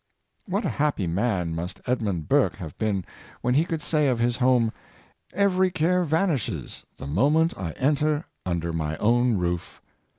What a happy man must Edmund Burke have been, when he could say of his home, *' Every care vanishes the moment I enter under my own roof